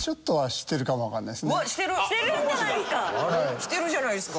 してるじゃないですか！